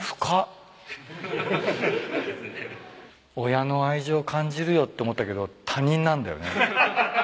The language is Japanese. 親の愛情感じるよって思ったけど他人なんだよね。